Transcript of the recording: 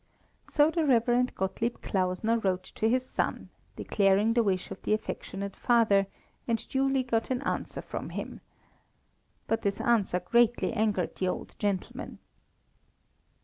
'" So the Rev. Gottlieb Klausner wrote to his son, declaring the wish of the affectionate father, and duly got an answer from him. But this answer greatly angered the two old gentlemen.